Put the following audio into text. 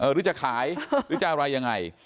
หรือจะขายหรือจะอะไรยังไง